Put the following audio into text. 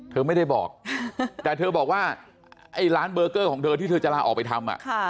เธอไม่ได้บอกแต่เธอบอกว่าไอ้ร้านเบอร์เกอร์ของเธอที่เธอจะลาออกไปทำ